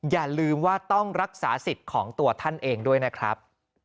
อย่าลืมว่าต้องรักษาสิทธิ์ของตัวท่านเองด้วยนะครับ